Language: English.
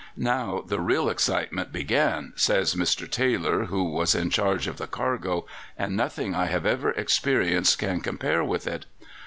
"Now the real excitement began," says Mr. Taylor, who was in charge of the cargo, "and nothing I have ever experienced can compare with it.